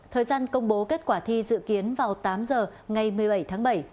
thời gian công bố kết quả thi dự kiến vào tám giờ ngày một mươi bảy tháng bảy